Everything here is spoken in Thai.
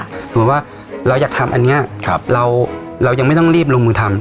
สมมุติว่าเราอยากทำอันนี้เรายังไม่ต้องรีบลงมือทำ